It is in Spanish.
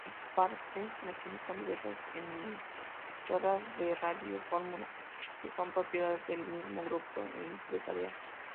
Comparte instalaciones con diversas emisoras de radiofórmula, que son propiedades del mismo grupo empresarial.